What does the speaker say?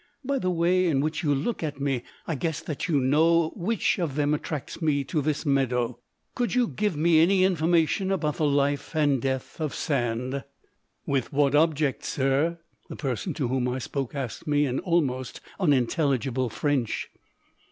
By the way in which you look at me, I guess that you know which of them attracts me to this meadow. Could you give me any information about the life and death of Sand?" "With what object, sir?" the person to whom I spoke asked me in almost unintelligible French.